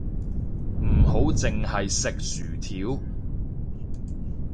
唔好淨係食薯條